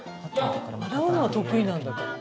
洗うのは得意なんだから。